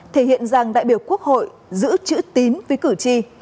thể hiện rằng đại biểu quốc hội giữ chữ tín với cử tri